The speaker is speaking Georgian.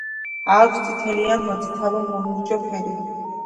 აქვს წითელი ან მოწითალო–მოლურჯო ფერი.